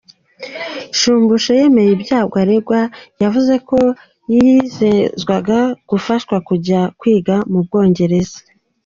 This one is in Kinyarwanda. Nshumbusho yemeye ibyaha aregwa, yavuze ko yizezwaga gufashwa kujya kwiga mu Bwongereza.